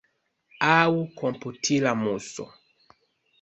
Aŭ komputila muso.